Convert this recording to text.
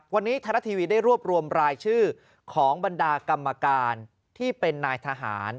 วันนี้ไทยรัฐทีวีได้รวบรวมรายชื่อของบรรดากรรมการที่เป็นนายทหาร